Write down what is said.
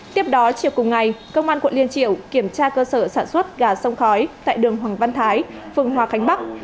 tiếp đó chiều cùng ngày công an quận liên triều kiểm tra cơ sở sản xuất gà sông khói tại đường hoàng văn thái phường hòa khánh bắc